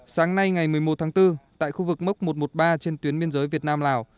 sáng nay ngày một mươi một tháng bốn tại khu vực mốc một trăm một mươi ba trên tuyến biên giới việt nam lào